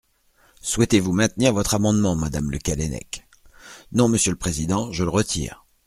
Souhaitez-vous maintenir votre amendement, madame Le Callennec ? Non, monsieur le président, je le retire.